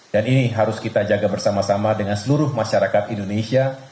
dan ini harus kita jaga bersama sama dengan seluruh masyarakat indonesia